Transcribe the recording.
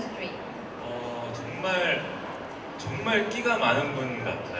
เธอก็ดูเสียอากาศอย่างน้อยเนอะ